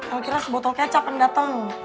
el kira sebotol kecap yang dateng